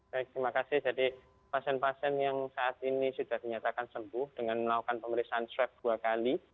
baik terima kasih jadi pasien pasien yang saat ini sudah dinyatakan sembuh dengan melakukan pemeriksaan swab dua kali